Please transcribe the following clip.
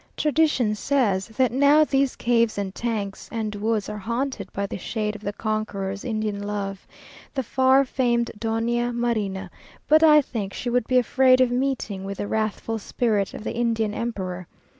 Tradition says, that now these caves and tanks and woods are haunted by the shade of the conqueror's Indian love, the far famed Doña Marina, but I think she would be afraid of meeting with the wrathful spirit of the Indian emperor.